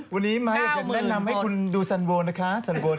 วันนี้มายอยากจะแนะนำให้คุณดูสันวนนะคะ